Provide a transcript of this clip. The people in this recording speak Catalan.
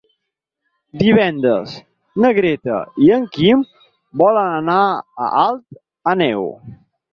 Divendres na Greta i en Guim volen anar a Alt Àneu.